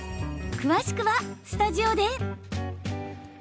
詳しくはスタジオで。